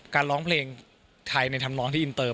การร้องเพลงไทยในทำร้องที่อินเตอร์